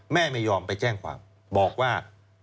แม่ไม่ยอมไปแจ้งความบอกว่า